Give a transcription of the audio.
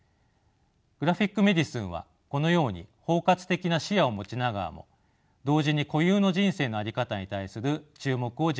グラフィック・メディスンはこのように包括的な視野を持ちながらも同時に固有の人生の在り方に対する注目を軸としています。